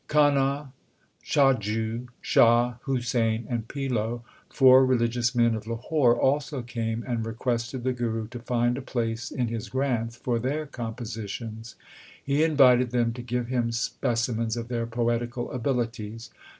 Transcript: Kahna, Chhajju, Shah Husain, and Pilo four religious men of Lahore also came and requested the Guru to find a place in his Granth for their compositions. He invited them to give him speci mens of their poetical abilities.